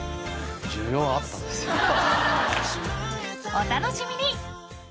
［お楽しみに！］